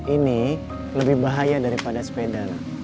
ini lebih bahaya daripada sepeda